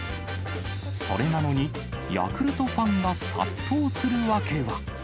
それなのに、ヤクルトファンが殺到する訳は。